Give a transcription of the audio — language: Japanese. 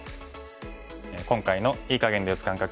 今回の“いい”かげんで打つ感覚